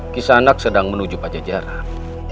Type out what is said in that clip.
kisana sedang menuju pada jarak